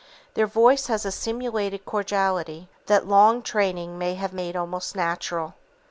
Their voice has a simulated cordiality that long training may have made almost natural.